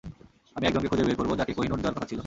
আমি একজনকে খুঁজে বের করবো, যাকে কোহিনূর দেওয়ার কথা ছিল।